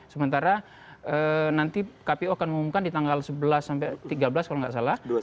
sementara nanti kpu akan mengumumkan di tanggal sebelas sampai tiga belas kalau nggak salah